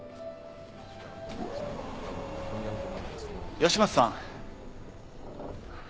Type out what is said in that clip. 吉松さん。